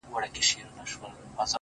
په دغسي شېبو كي عام اوخاص اړوي سـترگي،